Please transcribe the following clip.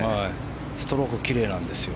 ストロークきれいなんですよ。